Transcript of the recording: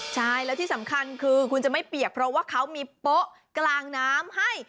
ใช่แล้วที่สำคัญคือคุณจะไม่เปียกเพราะว่าเขามีโป๊ะกลางน้ำให้